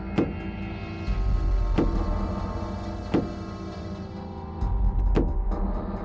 tidak ada apa apa